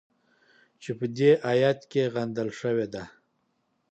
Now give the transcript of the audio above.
چې په دې ایت کې غندل شوې ده.